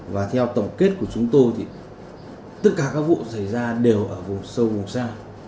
và theo tổng kết của chúng tôi thì tất cả các vụ xảy ra đều ở vùng sâu vùng xa